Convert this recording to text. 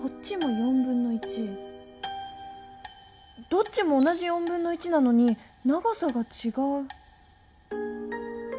どっちも同じ1/4なのに長さがちがう。